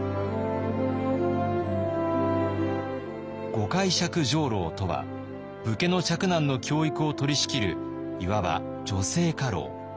御介錯上とは武家の嫡男の教育を取りしきるいわば女性家老。